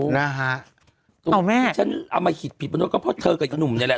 นะฮะเอาแม่ฉันเอามาคิดผิดประโยชน์ก็เพราะเธอกับอีกหนุ่มเนี้ยแหละ